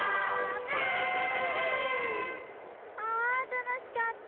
あたのしかった！